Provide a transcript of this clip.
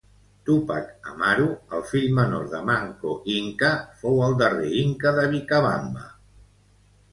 Túpac Amaru, el fill menor de Manco Inca, fou el darrer inca de Vicabamba.